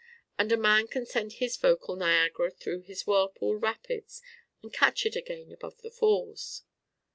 And a man can send his vocal Niagara through his whirlpool rapids and catch it again above the falls!